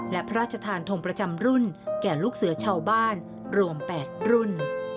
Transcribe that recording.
และพระราชทานทงประจำรุ่นแก่ลูกเสือชาวบ้านรวม๘รุ่น